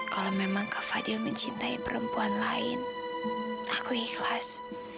kalau memang kak fadil mencintai perempuan lain aku ikhlas